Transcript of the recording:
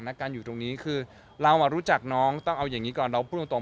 การอยู่ตรงนี้คือเรารู้จักน้องต้องเอาอย่างนี้ก่อนเราพูดตรง